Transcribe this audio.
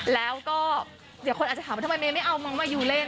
แล้วก็เดี๋ยวคนอาจจะถามว่าทำไมเมย์ไม่เอาน้องมายูเล่น